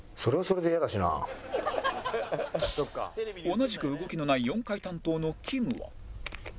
同じく動きのない４階担当のきむは